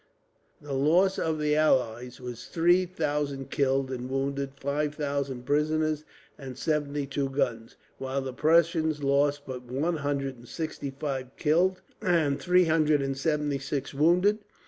The loss of the allies was three thousand killed and wounded, five thousand prisoners, and seventy two guns; while the Prussians lost but one hundred and sixty five killed, and three hundred and seventy six wounded.